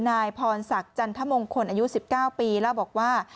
นายพรศักดิ์จันทมงคลอายุ๑๙ปีเล่าบอกว่า